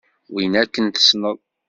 Winna akken tesneḍ.